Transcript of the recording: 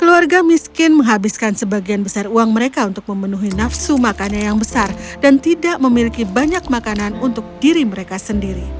keluarga miskin menghabiskan sebagian besar uang mereka untuk memenuhi nafsu makannya yang besar dan tidak memiliki banyak makanan untuk diri mereka sendiri